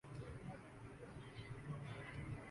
پر کشیدگی ہو،